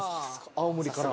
青森から。